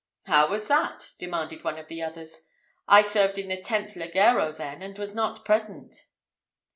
"How was that?" demanded one of the others; "I served in the tenth legero then, and was not present."